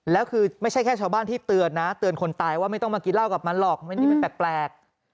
แล้วคือไม่ใช่แค่ชาวบ้านที่เตือนนะเตือนคนตายว่าไม่ต้องมากินเหล้ากับมันหรอกนี่มันแปลก